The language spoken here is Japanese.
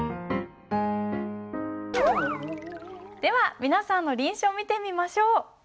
では皆さんの臨書見てみましょう。